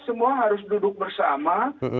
semua harus duduk bersama